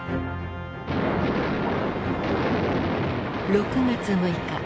６月６日。